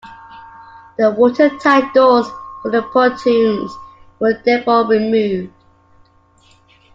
The watertight doors for the pontoons were therefore removed.